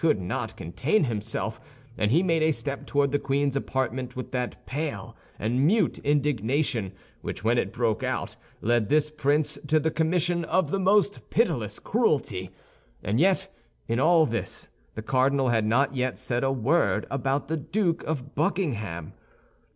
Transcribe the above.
could not contain himself, and he made a step toward the queen's apartment with that pale and mute indignation which, when it broke out, led this prince to the commission of the most pitiless cruelty. And yet, in all this, the cardinal had not yet said a word about the Duke of Buckingham.